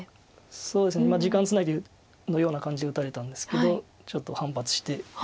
そうですね時間つなぎのような感じで打たれたんですけどちょっと反発して。